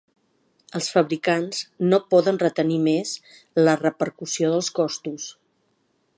Els fabricants no poden retenir més la repercussió dels costos.